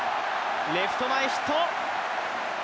レフト前ヒット。